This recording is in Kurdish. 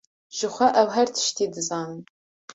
Jixwe ew her tiştî dizanin.